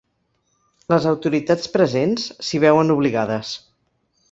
Les autoritats presents s'hi veuen obligades.